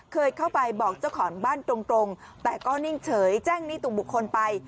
เคยเข้าไปบอกเจ้าของบ้านตรงแต่ก็นิ่งเฉยแจ้งนิตุบุคคลไป